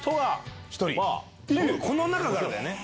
この中からだよね。